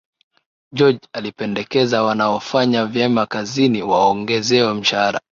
George alipendekeza wanaofanya vyema kazini waongezwe mshahara